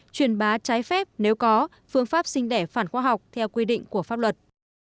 truyền bá trái phép nếu có phương pháp sinh đẻ phản khoa học theo quy định của pháp luật